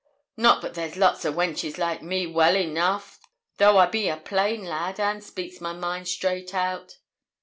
Not but there's lots o' wenches likes me well enough, though I be a plain lad, and speaks my mind straight out.'